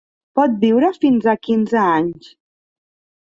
Pot viure fins a quinze anys.